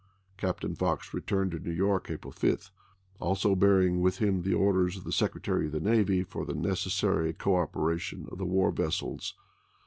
Captain Fox returned to New York April 5, also bearing with him the orders of the Secretary of the Navy for the necessary coopera 1861. tion of the war vessels.